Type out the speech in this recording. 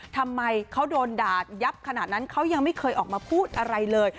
ทำไมเขาโดนด่ายับขนาดนั้นเขายังไม่เคยออกมาพูดอะไรเลย